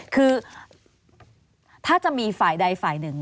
คือถ้าจะมีฝ่ายใดฝ่ายหนึ่ง